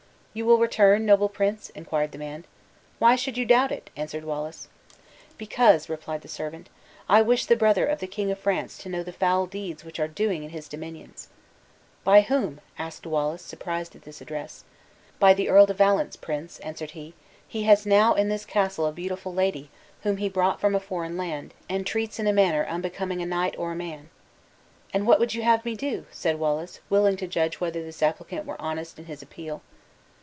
"You will return, noble prince?" inquired the man. "Why should you doubt it?" answered Wallace. "Because," replied the servant, "I wish the brother of the King of France to know the foul deeds which are doing in his dominions." "By whom?" asked Wallace, surprised at this address. "By the Earl de Valence, prince," answered he; "he has now in this castle a beautiful lady, whom he brought from a foreign land, and treats in a manner unbecoming a knight or a man." "And what would you have me do?" said Wallace, willing to judge whether this applicant were honest in his appeal.